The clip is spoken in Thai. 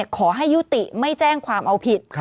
ขอให้ยุติไม่แจ้งความเอาผิด